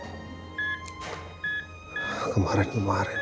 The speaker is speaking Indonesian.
jadi selama t sinain di kantor sulung